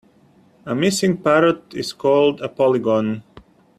A missing parrot is called a polygon.